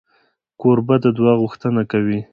کوربه د دعا غوښتنه کوي.